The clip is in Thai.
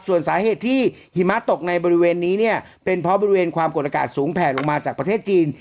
ส่วนสาเหตุที่หิมะตกในบริเวณนี้เนี่ยเป็นเพราะบริเวณความกดอากาศสูงแผ่ลงมาจากประเทศจีน